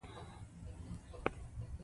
دې غازي سرتیري ته دعا وکړه.